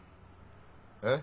えっ？